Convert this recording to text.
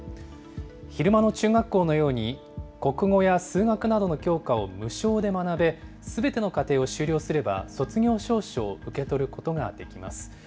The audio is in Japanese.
昼間の中学校のように、国語や数学などの教科を無償で学べ、すべての課程を修了すれば、卒業証書を受け取ることができます。